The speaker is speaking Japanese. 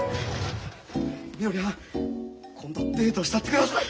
みのりはん今度デートしたってください。